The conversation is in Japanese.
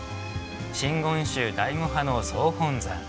真言宗醍醐派の総本山。